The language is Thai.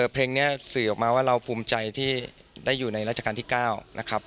เพลงนี้สื่อออกมาว่าเราภูมิใจที่ได้อยู่ในราชการที่๙นะครับ